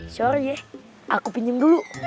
sorry ya aku pinjam dulu